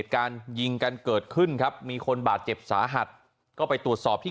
การยิงกันเกิดขึ้นครับมีคนบาดเจ็บสาหัสก็ไปตรวจสอบที่